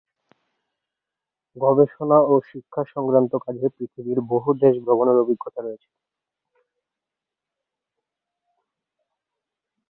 গবেষণা ও শিক্ষা সংক্রান্ত কাজে পৃথিবীর বহু দেশ ভ্রমণের অভিজ্ঞতা রয়েছে তার।